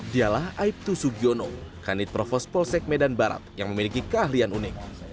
dialah aibtu sugiono kanit provos polsek medan barat yang memiliki keahlian unik